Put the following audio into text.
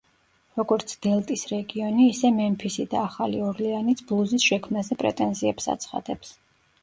როგორც დელტის რეგიონი, ისე მემფისი და ახალი ორლეანიც ბლუზის შექმნაზე პრეტენზიებს აცხადებს.